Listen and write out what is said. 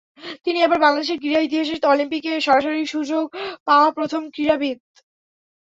তিনি আবার বাংলাদেশের ক্রীড়া ইতিহাসে অলিম্পিকে সরাসরি সুযোগ পাওয়া প্রথম ক্রীড়াবিদ।